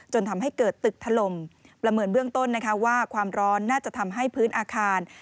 จนทำให้เกิดตึกถล่มประเมินเบื้องต้นนะคะว่าความร้อนน่าจะทำให้พื้นอาคาร